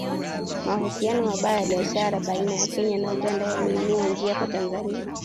Mahusiano mabaya ya kibiashara baina ya Kenya na Uganda yameinua njia kwa Tanzania